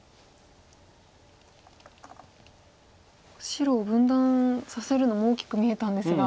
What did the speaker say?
白を分断させるのも大きく見えたんですが。